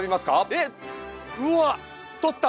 えっうわとった！